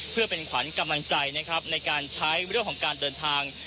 เพื่อเป็นขวัญกำลังใจนะครับในการใช้เรื่องของการเดินทาง